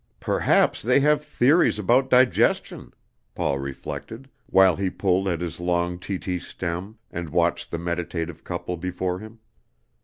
"Perhaps they have theories about digestion," Paul reflected, while he pulled at his long Ti ti stem, and watched the meditative couple before him.